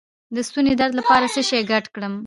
د ستوني درد لپاره څه شی ګډ کړم؟